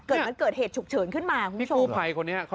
แต่มันเกิดเหตุฉุกเฉินขึ้นมาคุณผู้ชม